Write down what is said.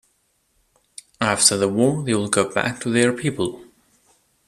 After the war they will go back to their people.